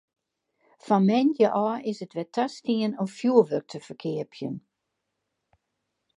Fan moandei ôf is it wer tastien om fjurwurk te ferkeapjen.